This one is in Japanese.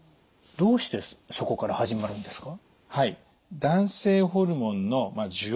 どうしてそこから始まるんですか？